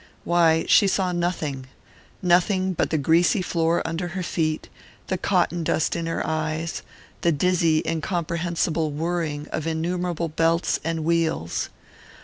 Why, she saw nothing nothing but the greasy floor under her feet, the cotton dust in her eyes, the dizzy incomprehensible whirring of innumerable belts and wheels!